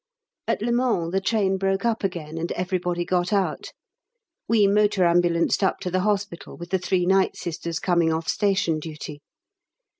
At Le Mans the train broke up again, and everybody got out. We motor ambulanced up to the Hospital with the three night Sisters coming off station duty.